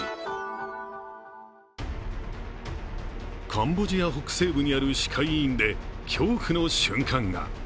カンボジア北西部にある歯科医院で恐怖の瞬間が。